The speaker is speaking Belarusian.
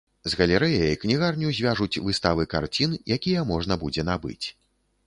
З галерэяй кнігарню звяжуць выставы карцін, якія можна будзе набыць.